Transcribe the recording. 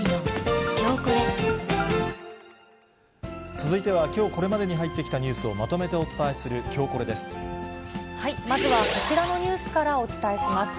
続いては、きょうこれまでに入ってきたニュースをまとめてお伝えする、まずはこちらのニュースからお伝えします。